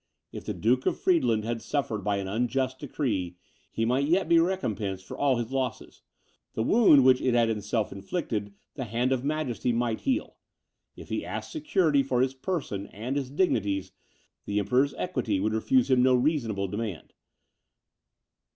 If the Duke of Friedland had suffered by an unjust decree, he might yet be recompensed for all his losses; the wound which it had itself inflicted, the hand of Majesty might heal. If he asked security for his person and his dignities, the Emperor's equity would refuse him no reasonable demand.